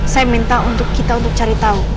saya minta untuk kita cari tau